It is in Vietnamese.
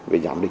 vậy giảm đi